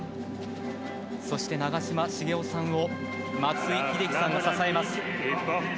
そして、長嶋茂雄さんを松井秀喜さんが支えます。